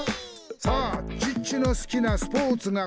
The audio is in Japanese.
「さぁチッチの好きなスポーツが」